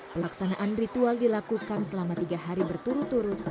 pelaksanaan ritual dilakukan selama tiga hari berturut turut